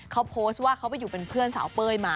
เขาโพสต์ว่าเขาไปอยู่เป็นเพื่อนสาวเป้ยมา